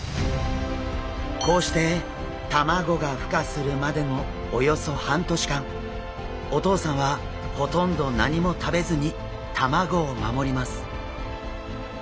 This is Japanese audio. こうして卵がふ化するまでのおよそ半年間お父さんはほとんど何も食べずに卵を守ります。